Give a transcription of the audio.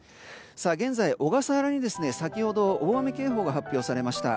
現在、小笠原に先ほど大雨警報が発表されました。